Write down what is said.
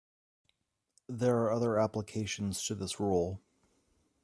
There are other applications to this rule.